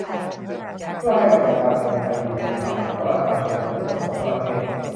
เพื่อให้ระบบการเมืองไทยอยู่บนฐานของประชาชนผู้เป็นเจ้าของประเทศ